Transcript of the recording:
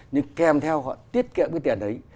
nhưng kèm theo họ tiết kiệm cái tiền đấy